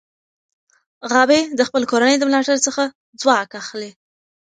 غابي د خپل کورنۍ د ملاتړ څخه ځواک اخلي.